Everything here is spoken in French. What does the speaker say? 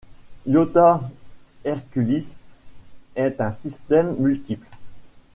Iota Herculis est un système multiple.